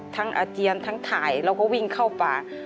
ทั้งอาเจียนทั้งถ่ายเราก็วิ่งเข้าป่า